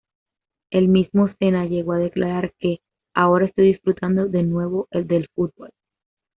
El mismo Senna llegó a declarar que "Ahora estoy disfrutando de nuevo del fútbol".